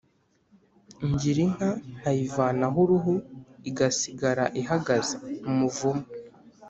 Ngira inka nkayivanaho uruhu igasigara ihagaze-Umuvumu.